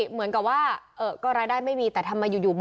เหมือนกับว่าก็รายได้ไม่มีแต่ทำไมอยู่